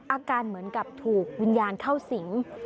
อาการเหมือนกับถูกวิญญาณเข้าสิง